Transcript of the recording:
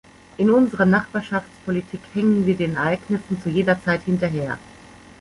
In unserer Nachbarschaftspolitik hängen wir den Ereignissen zu jeder Zeit hinterher.